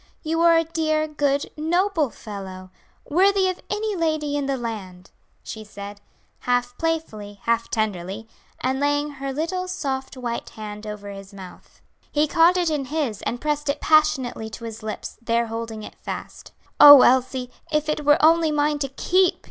You are a dear, good, noble fellow, worthy of any lady in the land," she said, half playfully, half tenderly and laying her little soft white hand over his mouth. He caught it in his and pressed it passionately to his lips, there holding it fast. "Oh, Elsie, if it were only mine to keep!"